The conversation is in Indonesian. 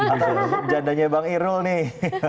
atau jandanya bang irul nih